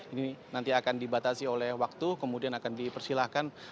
ini nanti akan dibatasi oleh waktu kemudian akan dipersilahkan